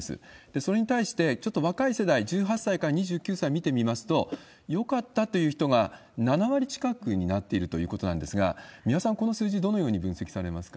それに対して、ちょっと若い世代、１８歳から２９歳を見てみますと、よかったという人が７割近くになっているということなんですが、三輪さん、この数字どのように分析されますか？